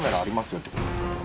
よってことですかね